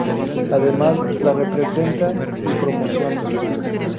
Además, la representa y promociona.